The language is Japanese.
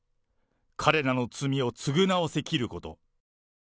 彼らの罪を償わせる切ること。